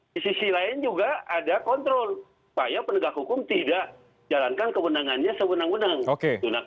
di sisi lain juga ada kontrol supaya penegak hukum tidak jalankan kewenangannya sewenang wenang